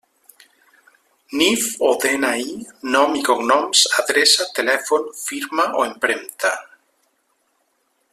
NIF o DNI, nom i cognoms, adreça, telèfon, firma o empremta.